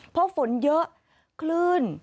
พอฝนเยอะคลื่น